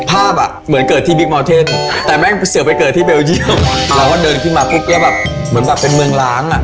ภาพอ่ะเหมือนเกิดที่บิ๊กมอลเทนแต่แม่งเสือไปเกิดที่เบลเยี่ยมเราก็เดินขึ้นมาปุ๊บแล้วแบบเหมือนแบบเป็นเมืองล้างอ่ะ